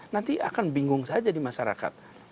nanti akan bingung saja di masyarakat